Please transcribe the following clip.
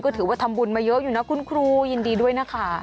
ก็ถือว่าทำบุญมาเยอะอยู่นะคุณครูยินดีด้วยนะคะ